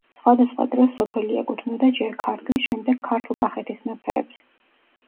სხვადასხვა დროს სოფელი ეკუთვნოდა ჯერ ქართლის, შემდეგ ქართლ-კახეთის მეფეებს.